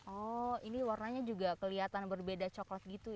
oh ini warnanya juga kelihatan berbeda coklat gitu ya